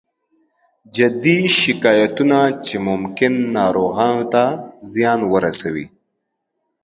جدي شکایتونه چې ممکن ناروغانو ته زیان ورسوي